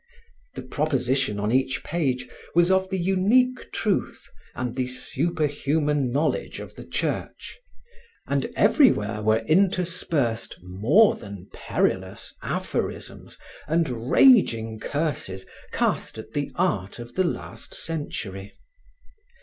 The proposition on each page was of the unique truth and the superhuman knowledge of the Church, and everywhere were interspersed more than perilous aphorisms and raging curses cast at the art of the last century.